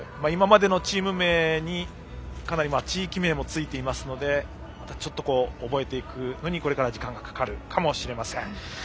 今までのチーム名に地域名もついていますのでまた、覚えていくのに時間がかかるかもしれません。